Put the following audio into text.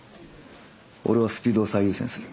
俺はスピードを最優先する。